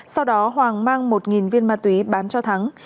sau đó hoàng mang một viên ma túy bán cho thắng